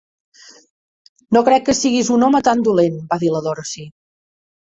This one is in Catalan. "No crec que siguis un home tan dolent", va dir la Dorothy.